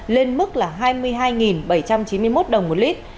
lên mức hai mươi hai bảy trăm chín mươi một đồng một lit